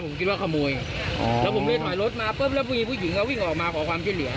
ผมคิดว่าขโมยแล้วผมเลยถอยรถมาปุ๊บแล้วผู้หญิงผู้หญิงก็วิ่งออกมาขอความช่วยเหลือ